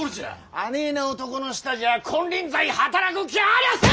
あねえな男の下じゃあ金輪際働く気はありゃあせん！